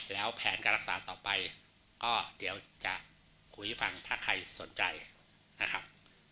แล้วแผนการรักษาต่อไปก็เดี๋ยวจะคุยให้ฟังถ้าใครสนใจนะครับ